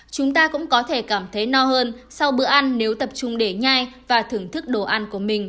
chúng ta cũng có thể cảm thấy no hơn sau bữa ăn nếu tập trung để nhai và thưởng thức đồ ăn của mình